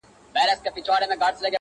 په يو تن كي سل سرونه سل غليمه؛